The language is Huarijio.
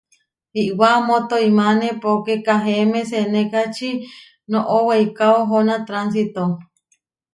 Iʼwá amó toimáne poké Kahéme senékači noʼó weikáo ohóna tránsito.